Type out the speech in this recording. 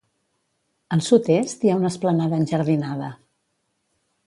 Al sud-est hi ha una esplanada enjardinada.